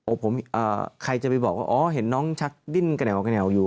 โอ้ผมใครจะไปบอกว่าเห็นน้องชักดิ้นกระแนวอยู่